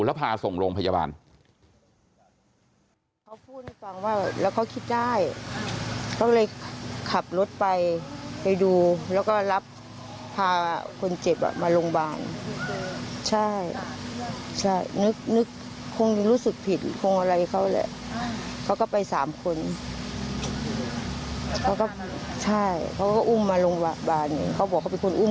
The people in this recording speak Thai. แล้วเอาจักรยานย้อนไปดูแล้วพาส่งโรงพยาบาล